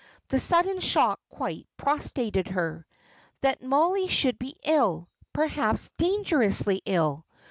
The sudden shock quite prostrated her. That Mollie should be ill, perhaps dangerously ill!